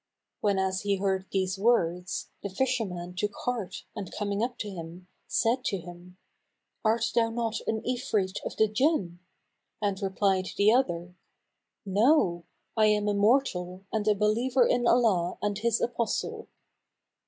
Whenas he heard these words, the fisherman took heart and coming up to him, said to him, "Art thou not an Ifrit of the Jinn?"; and replied the other, "No: I am a mortal and a believer in Allah and His Apostle."